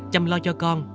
chăm lo cho con